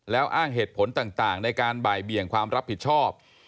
แล้วอ้างเหตุผลต่างในการบ่ายเบี่ยงความรับผิดชอบ